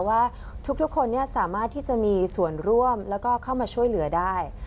ว่าทุกคนสามารถที่จะมีส่วนร่วมแล้วก็เข้ามาช่วยเหลือได้